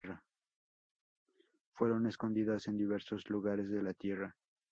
Fueron escondidas en diversos lugares de la tierra.